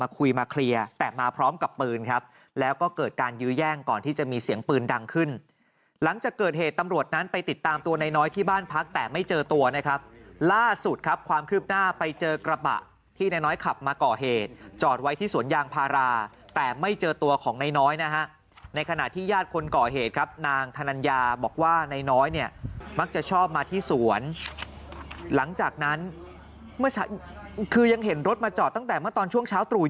คุยมาเคลียร์แต่มาพร้อมกับปืนครับแล้วก็เกิดการยื้อย่างก่อนที่จะมีเสียงปืนดังขึ้นหลังจากเกิดเหตุตำรวจนั้นไปติดตามตัวนายน้อยที่บ้านพักแต่ไม่เจอตัวนะครับล่าสุดครับความคืบหน้าไปเจอกระบะที่นายน้อยขับมาก่อเหตุจอดไว้ที่สวนยางพาราแต่ไม่เจอตัวของนายน้อยนะฮะในขณะที่ญาติคนก่อเหตุคร